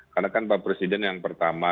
karena kan pak presiden yang pertama